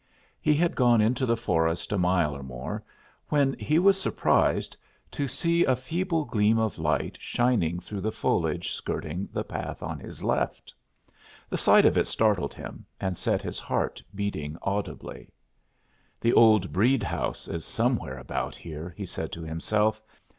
He had gone into the forest a mile or more when he was surprised to see a feeble gleam of light shining through the foliage skirting the path on his left. The sight of it startled him and set his heart beating audibly. "The old Breede house is somewhere about here," he said to himself.